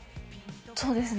そうですね。